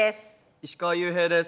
石川裕平です。